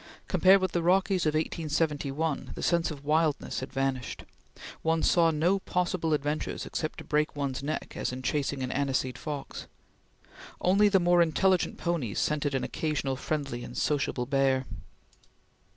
Compared with the Rockies of 1871, the sense of wildness had vanished; one saw no possible adventures except to break one's neck as in chasing an aniseed fox. Only the more intelligent ponies scented an occasional friendly and sociable bear.